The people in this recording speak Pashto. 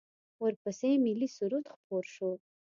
ورپسې ملی سرود خپور شو.